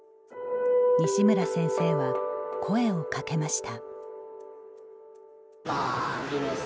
西村先生は声をかけました。